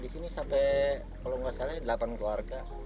di sini sampai kalau nggak salah delapan keluarga